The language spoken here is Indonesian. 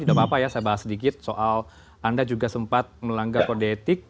tidak apa apa ya saya bahas sedikit soal anda juga sempat melanggar kode etik